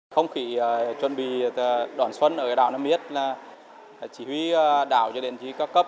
không khí chuẩn bị đón xuân ở đảo nam ít là chỉ huy đảo cho đến chỉ huy cao cấp